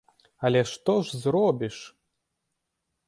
Але што ж зробіш?